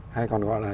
hay còn gọi là